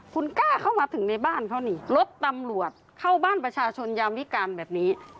คุณกล้าเข้ามาถึงในบ้านเขานี่รถตำรวจเข้าบ้านประชาชนยามวิการแบบนี้